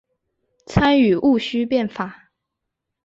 参与戊戌变法。